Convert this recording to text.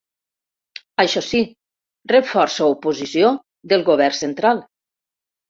Això sí, rep força oposició del govern central.